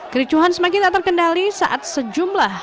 kericuhan semakin tak terkendali saat sejumlah